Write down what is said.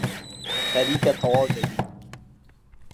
خەریکە تەواو دەبین.